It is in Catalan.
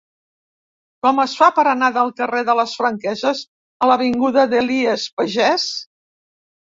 Com es fa per anar del carrer de les Franqueses a l'avinguda d'Elies Pagès?